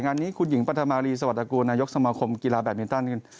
งานนี้คุณหญิงปันธมาลีสวัสดิกูรนายกสมคมกีฬาแบบนี้ตั้งนึง